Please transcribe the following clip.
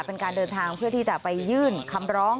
เป็นการเดินทางเพื่อที่จะไปยื่นคำร้อง